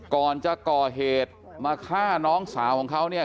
ก่อนจะก่อเหตุมาฆ่าน้องสาวของเขาเนี่ย